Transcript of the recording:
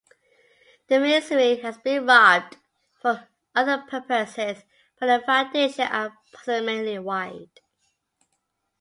The masonry has been robbed for other purposes but the foundations are approximately wide.